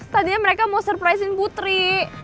tadinya mereka mau surprisein putri